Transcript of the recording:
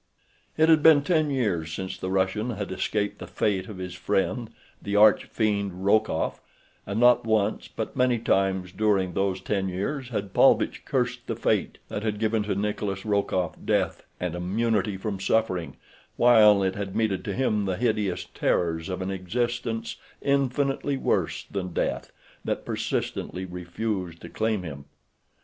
It had been ten years since the Russian had escaped the fate of his friend, the arch fiend Rokoff, and not once, but many times during those ten years had Paulvitch cursed the fate that had given to Nicholas Rokoff death and immunity from suffering while it had meted to him the hideous terrors of an existence infinitely worse than the death that persistently refused to claim him.